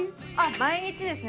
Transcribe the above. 毎日ですね。